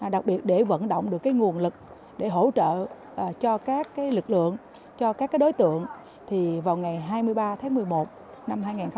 đặc biệt để vận động được cái nguồn lực để hỗ trợ cho các cái lực lượng cho các cái đối tượng thì vào ngày hai mươi ba tháng một mươi một năm hai nghìn một mươi bảy